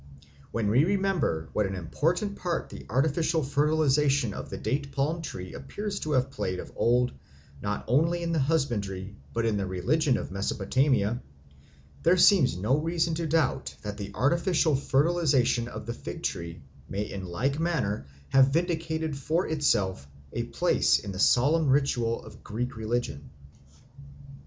When we remember what an important part the artificial fertilisation of the date palm tree appears to have played of old not only in the husbandry but in the religion of Mesopotamia, there seems no reason to doubt that the artificial fertilisation of the fig tree may in like manner have vindicated for itself a place in the solemn ritual of Greek religion.